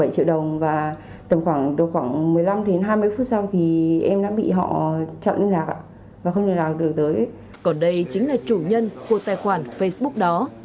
còn đây chính là chủ nhân của tài khoản facebook đó